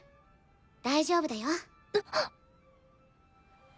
大丈夫だよ。